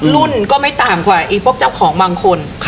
รุ่นก็ไม่ต่างกว่าไอ้พวกเจ้าของบางคน